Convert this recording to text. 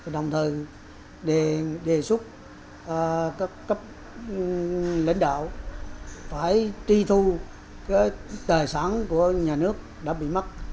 đồng thời đề xuất các cấp lãnh đạo phải tri thu tài sản của nhà nước đã bị mất